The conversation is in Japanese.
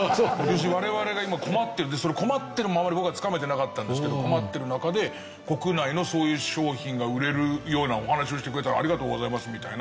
我々は今困ってるってその困ってるのはあんまり僕はつかめてなかったんですけど困ってる中で国内のそういう商品が売れるようなお話をしてくれてありがとうございますみたいな。